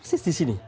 tersis di sini